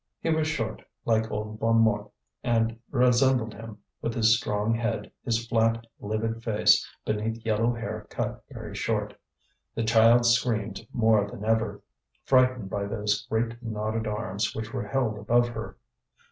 He was short, like old Bonnemort, and resembled him, with his strong head, his flat, livid face, beneath yellow hair cut very short. The child screamed more than ever, frightened by those great knotted arms which were held above her.